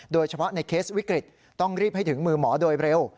โดยเฉพาะในเคสวิกฤตต้องรีบให้ถึงมือหมอโดยเร็ว